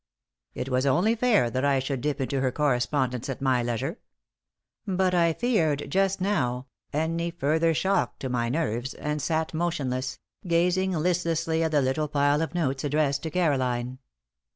It was only fair that I should dip into her correspondence at my leisure. But I feared, just now, any further shock to my nerves, and sat motionless, gazing listlessly at the little pile of notes addressed to Caroline.